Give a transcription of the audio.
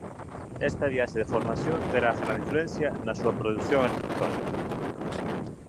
Esta viaxe de formación tería grande influencia na súa produción arquitectónica.